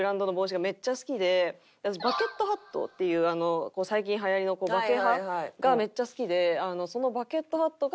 私バケットハットっていう最近流行りのバケハがめっちゃ好きで。